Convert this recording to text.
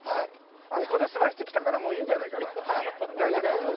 あそこで済ましてきたからもういいんじゃないかな？